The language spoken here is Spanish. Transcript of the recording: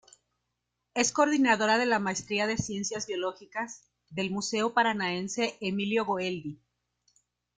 Es coordinadora de la Maestría de ciencias biológicas, del Museo Paranaense Emilio Goeldi.